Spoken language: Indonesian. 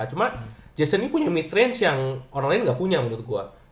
cuma jason punya mid range yang orang lain gak punya menurut gue